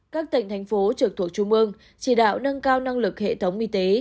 các tỉnh thành phố trường thuộc trung mương chỉ đạo nâng cao năng lực hệ thống y tế